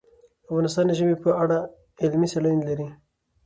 افغانستان د ژبې په اړه علمي څېړنې لري.